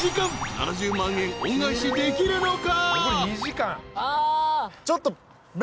７０万円恩返しできるのか？］